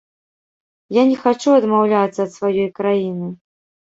Я не хачу адмаўляцца ад сваёй краіны.